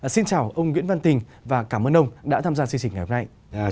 xin chào ông nguyễn văn tình và cảm ơn ông đã tham gia chương trình ngày hôm nay